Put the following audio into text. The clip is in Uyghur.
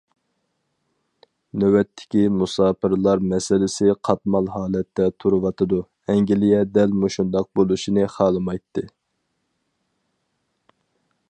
نۆۋەتتىكى مۇساپىرلار مەسىلىسى قاتمال ھالەتتە تۇرۇۋاتىدۇ، ئەنگلىيە دەل مۇشۇنداق بولۇشىنى خالىمايتتى.